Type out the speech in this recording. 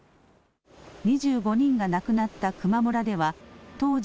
２５人が亡くなった球磨村では、当時、